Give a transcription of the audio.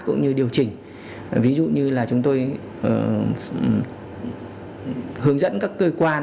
cũng như điều chỉnh ví dụ như là chúng tôi hướng dẫn các cơ quan